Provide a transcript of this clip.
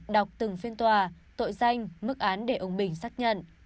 đọc từng phiên tòa tội danh mức án để ông bình xác nhận